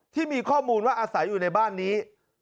ที่มีข้อมูลว่าอาศัยอยู่ในบ้านนี้